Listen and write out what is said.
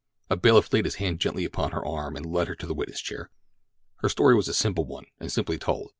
A bailiff laid his hand gently upon her arm and led her to the witness chair. Her story was a simple one, and simply told.